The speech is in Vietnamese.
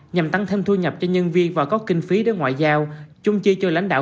nhằm tăng thêm thu nhập cho nhân viên và có kinh phí để ngoại giao chung chi cho lãnh đạo